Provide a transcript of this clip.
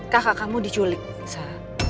kakak kamu diculik sa